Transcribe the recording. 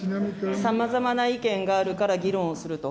さまざまな意見があるから議論をすると。